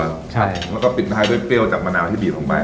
แล้วก็ปิดท้ายด้วยเปรี้ยวจากมะนาวที่บีบลงไป